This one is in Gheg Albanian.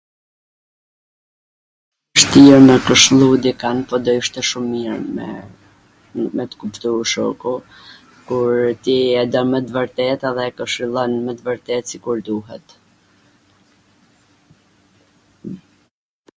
Fshtir me kwshllu dikand po do ishte shum mir me t kuptu shoku, kur ti e do me t vwrtet edhe e kwshillon me t vwrtet sikur duhet